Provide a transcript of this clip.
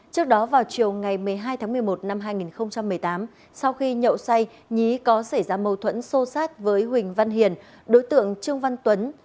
trước đó vào chiều ngày một mươi hai tháng một mươi một năm hai nghìn một mươi tám sau khi nhậu say nhí có xảy ra mâu thuẫn xô sát với huỳnh văn hiền đối tượng trương văn tuấn